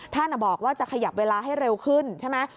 ท่านบอกว่าจะขยับเวลาให้เร็วขึ้นใช่ไหม